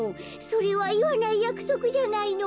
「それはいわないやくそくじゃないの。